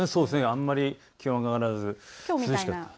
あまり気温が上がらず涼しかったです。